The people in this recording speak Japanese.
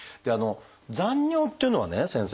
残尿っていうのはね先生